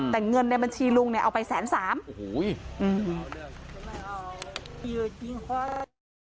แต่เงินในบัญชีลุงเนี่ยเอาไป๑๐๓๐๐๐บาท